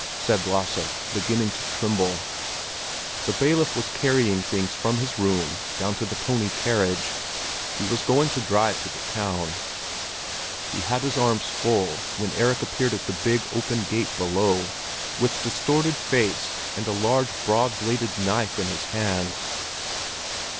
said Lasse, beginning to tremble. The bailiff was carrying things from his room down to the pony carriage; he was going to drive to the town. He had his arms full when Erik appeared at the big, open gate below, with distorted face and a large, broad bladed knife in his hand.